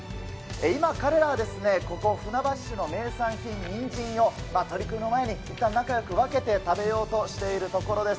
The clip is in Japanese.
今、彼らはですね、ここ、船橋市の名産品ニンジンを、取組の前にいったん仲よく分けて食べようとしているところです。